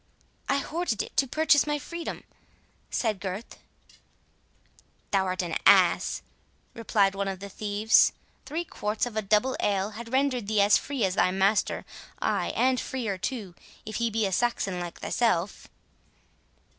"I hoarded it to purchase my freedom," said Gurth. "Thou art an ass," replied one of the thieves "three quarts of double ale had rendered thee as free as thy master, ay, and freer too, if he be a Saxon like thyself."